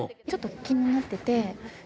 ちょっと気になってて。